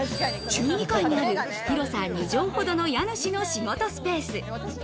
中２階にある広さ２畳ほどの家主の仕事スペース。